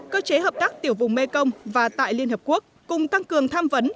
cơ chế hợp tác tiểu vùng mekong và tại liên hợp quốc cùng tăng cường tham vấn